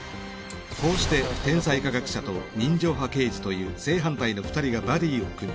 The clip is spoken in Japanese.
こうして天才科学者と人情派刑事という正反対の２人がバディを組み